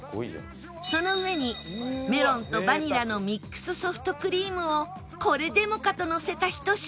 その上にメロンとバニラの ＭＩＸ ソフトクリームをこれでもかとのせたひと品